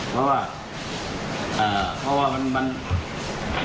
เพราะว่าดูแล้วมันเกิด